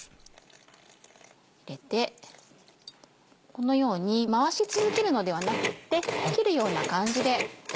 このように回し続けるのではなくって切るような感じで。